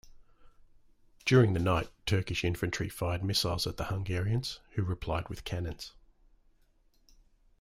During the night, Turkish infantry fired missiles at the Hungarians, who replied with cannons.